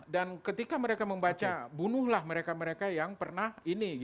dan ketika mereka membaca bunuhlah mereka mereka yang pernah ini